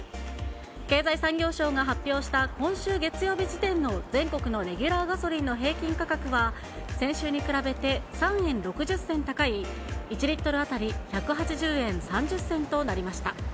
経済産業省が発表した今週月曜日時点の全国のレギュラーガソリンの平均価格は、先週に比べて３円６０銭高い１リットル当たり１８０円３０銭となりました。